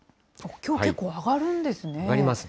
きょうけっこう上がるんですね。